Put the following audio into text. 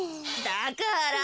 だから。